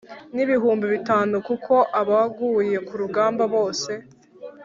N ibihumbi bitanu kuko abaguye ku rugamba bose